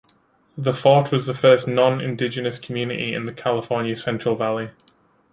The fort was the first non-Indigenous community in the California Central Valley.